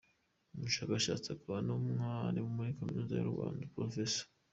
Umushakashatsi akaba n’umwari uri Kaminuza y’u Rwanda, Prof.